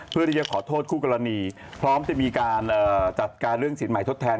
เพื่อที่จะขอโทษคู่กรณีพร้อมจะมีการจัดการเรื่องสินใหม่ทดแทน